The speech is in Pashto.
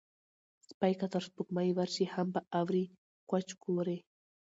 سپى که تر سپوږمۍ ورشي، هم به اوري کوچ کورې